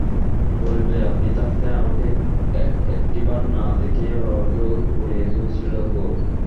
বলিবে, আপনি থাকতে আমাকে একটিবার না দেখিয়ে বাবাকে ওরা পুড়িয়ে ফেলেছিল গো!